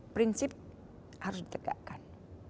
prinsip harus ditegakkan